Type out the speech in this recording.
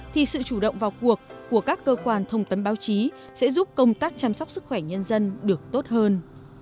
thì sự chủ động vào cuộc của các cơ quan thông tấn báo chí sẽ giúp công tác chăm sóc sức khỏe nhân dân được tốt hơn